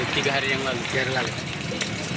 tiga hari yang lalu